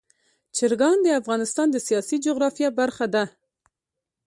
چرګان د افغانستان د سیاسي جغرافیه برخه ده.